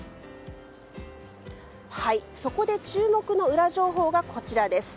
そこで注目のウラ情報がこちら。